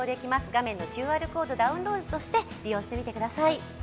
画面のＱＲコードをダウンロードして利用してみてください。